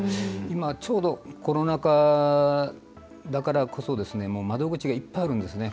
今、ちょうどコロナ禍だからこそ窓口がいっぱいあるんですね。